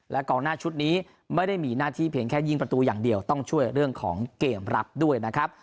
กองหน้าชุดนี้ไม่ได้มีหน้าที่เพียงแค่ยิงประตูอย่างเดียวต้องช่วยเรื่องของเกมรับด้วยนะครับ